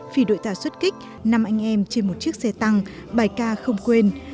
phi đội tàu xuất kích năm anh em trên một chiếc xe tăng bài ca không quên